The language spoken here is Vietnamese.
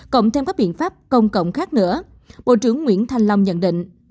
cộng thêm các biện pháp công cộng khác nữa bộ trưởng nguyễn thanh long nhận định